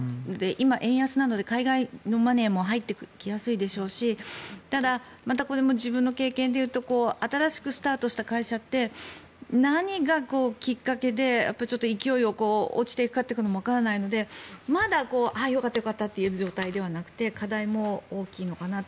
今、円安なので海外のマネーも入ってきやすいでしょうしまたこれも自分の経験で言うと新しくスタートした会社って何がきっかけで勢いが落ちていくかというのもわからないのでまだよかったって言える状態ではなくて課題も大きいのかなって。